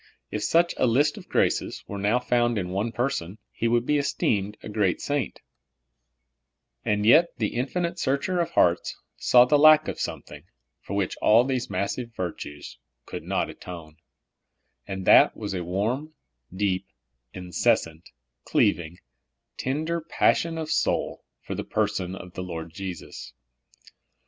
If such a list of graces were now found in one per son, he would be esteemed a great saint ; and yet the infinite Searcher of hearts saw the lack of something for which all these massive* virtues could not atone ; PERSONAL LOVE OF JESUS. 21 and that was a warm, deep, incessant, cleaving, tender passion of soul for the person of the Lord Jesus.